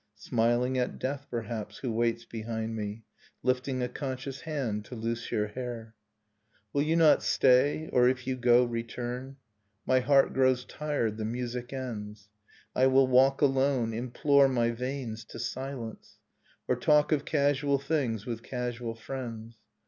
Smiling at death, perhaps, who waits behind me, Lifting a conscious hand to loose your hair. Will you not stay, or, if you go, return? My heart grows tired, the music ends. I will walk alone, implore my veins to silence. Or talk of casual things with casual friends.